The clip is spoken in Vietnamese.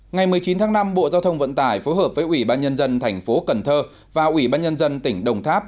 ngày một mươi chín tháng năm bộ giao thông vận tải phối hợp với ủy ban nhân dân thành phố cần thơ và ủy ban nhân dân tỉnh đồng tháp